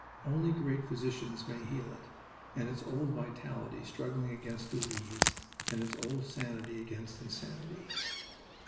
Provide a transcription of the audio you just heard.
Only great physicians may heal it, and its old vitality struggling against disease, and its old sanity against insanity.